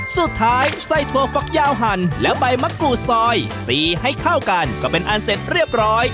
ใส่ถั่วฟักยาวหั่นและใบมะกรูดซอยตีให้เข้ากันก็เป็นอันเสร็จเรียบร้อย